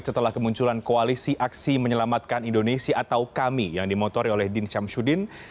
setelah kemunculan koalisi aksi menyelamatkan indonesia atau kami yang dimotori oleh din syamsuddin